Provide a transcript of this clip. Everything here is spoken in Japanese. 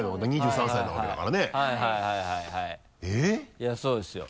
いやそうですよ。